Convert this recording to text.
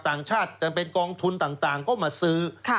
ต่างชาติจำเป็นกองทุนต่างก็มาซื้อ